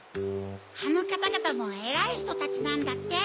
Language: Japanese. あのかたがたもえらいひとたちなんだって。